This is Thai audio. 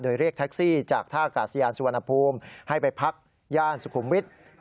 โดยเรียกแท็กซี่จากท่ากาศยานสุวรรณภูมิให้ไปพักย่านสุขุมวิทย์